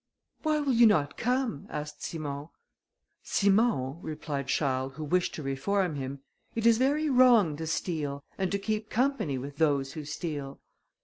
"Why will you not come?" asked Simon. "Simon," replied Charles, who wished to reform him, "it is very wrong to steal, and to keep company with those who steal."